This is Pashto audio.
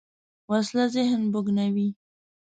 وسله ذهن بوږنوې